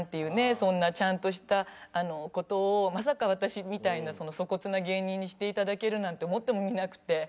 そんなちゃんとした事をまさか私みたいなそこつな芸人にして頂けるなんて思ってもみなくて。